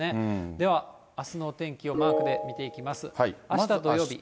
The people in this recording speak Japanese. では、あすのお天気をマークで見ていきます。